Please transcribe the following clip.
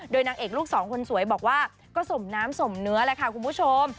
นางเอกลูกสองคนสวยบอกว่าก็สมน้ำสมเนื้อแหละค่ะคุณผู้ชม